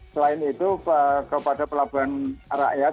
selain itu kepada pelabuhan rakyat